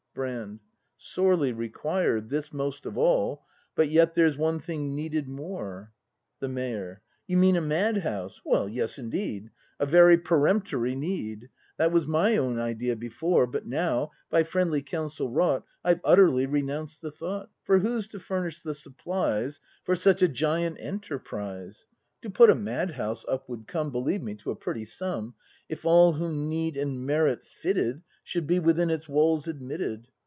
Brand. Sorely required; this most of all; But yet there's one thing needed more. The Mayor. You mean a Mad house? Yes, indeed; A very peremptory need; That was my own idea before. But now, by friendly counsel wrought, I've utterly renounced the thought; For who's to furnish the supplies For such a giant enterprise ? To put a Mad house up would come. Believe me, to a pretty sum. If all whom need and merit fitted. Should be within its walls admitted.